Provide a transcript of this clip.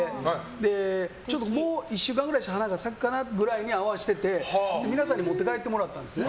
もう１週間くらいしたら花が咲くかなくらいに合わせてて皆さんに持って帰ってもらったんです。